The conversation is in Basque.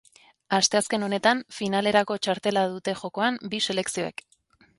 Asteazken honetan finalerako txartela dute jokoan bi selekzioek.